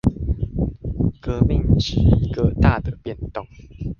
革命指一個大的變動